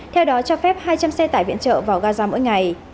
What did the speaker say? theo đó cho phép hai trăm linh xe tải viện trợ vào gaza mỗi ngày